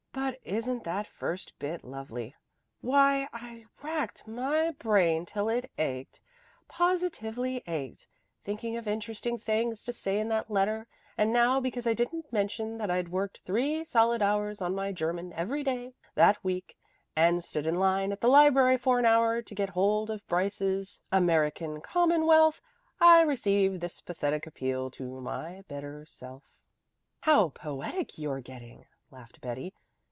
"But isn't that first bit lovely? Why, I racked my brain till it ached, positively ached, thinking of interesting things to say in that letter, and now because I didn't mention that I'd worked three solid hours on my German every day that week and stood in line at the library for an hour to get hold of Bryce's American Commonwealth, I receive this pathetic appeal to my better self." "How poetic you're getting," laughed Betty.